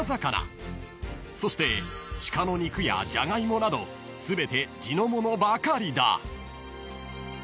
［そして鹿の肉やジャガイモなど全て地の物ばかりだ］